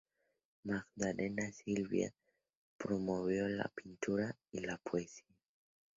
Magdalena Sibila promovió la pintura y la poesía.